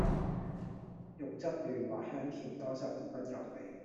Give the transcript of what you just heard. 肉質嫩滑香甜，多汁而不油膩